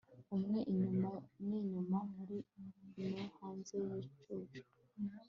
Umwe inyuma ninyuma muri no hanze yigicucu